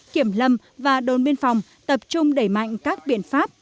kiểm lâm và đồn biên phòng tập trung đẩy mạnh các biện pháp